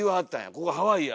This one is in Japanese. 「ここハワイや」